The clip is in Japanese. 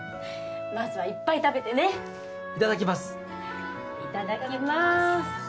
まずはいっぱい食べてねいただきますいただきます